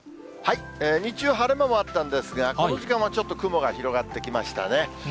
日中、晴れ間もあったんですが、この時間はちょっと雲が広がってきましたね。